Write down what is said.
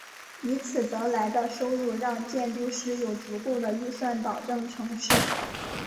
以此得来的收入让建筑师有足够的预算保证成事。